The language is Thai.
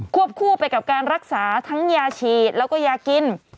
คู่ไปกับการรักษาทั้งยาฉีดแล้วก็ยากิน